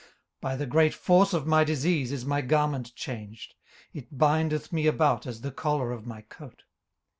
18:030:018 By the great force of my disease is my garment changed: it bindeth me about as the collar of my coat.